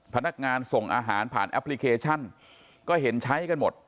พนักงานส่งอาหารผ่านแอปพลิเคชันก็เห็นใช้กันหมด